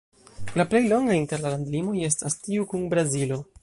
La plej longa inter la landlimoj estas tiu kun Brazilo.